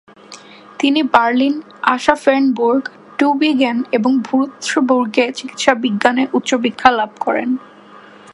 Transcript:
তিনি Berlin, Aschaffenburg, Tubingen ও ভ্যুরৎসবুর্গে চিকিৎসাবিজ্ঞানে উচ্চশিক্ষা লাভ করেন।